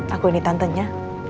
aku ini tantennya